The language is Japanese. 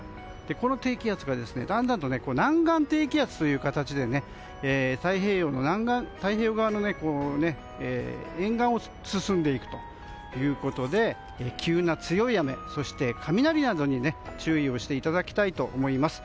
この低気圧がだんだんと南岸低気圧という形で太平洋側の沿岸を進んでいくということで急な強い雨、そして雷などに注意をしていただきたいと思います。